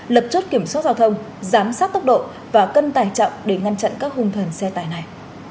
lập chốt kiểm soát giao thông giám sát tốc độ và cân tải trọng để ngăn chặn các hung thần xe tải này